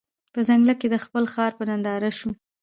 په ځنګله کي د خپل ښکار په ننداره سو